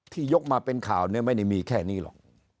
ยกมาเป็นข่าวเนี่ยไม่ได้มีแค่นี้หรอก